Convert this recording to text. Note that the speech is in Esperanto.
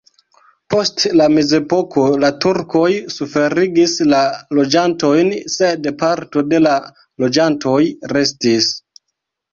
Post la mezepoko la turkoj suferigis la loĝantojn, sed parto de la loĝantoj restis.